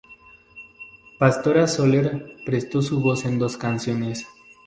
Pastora Soler prestó su voz en dos canciones.